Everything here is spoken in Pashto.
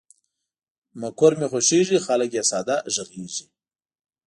مقر مې خوښېږي، خلګ یې ساده غږیږي.